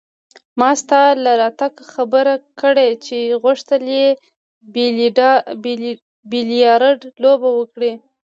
ما ستا له راتګه خبر کړ چې غوښتل يې بیلیارډ لوبه وکړي.